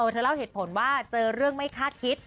เธอเล่าเหตุผลว่าเจอเรื่องไม่คาดคิด